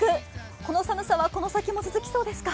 この寒さはこの先も続きそうですか？